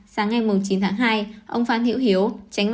sáng ngày chín tháng hai ông phan hiễu hiếu